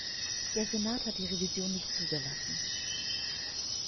Der Senat hat die Revision nicht zugelassen.